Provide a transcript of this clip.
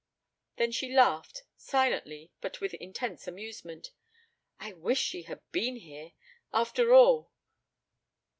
Then she laughed, silently but with intense amusement. "I wish she had been here! After all!